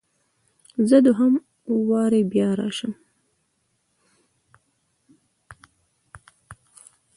زه دوهم واري بیا راسم؟